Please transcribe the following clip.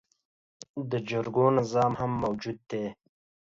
د جرګو نظام هم موجود دی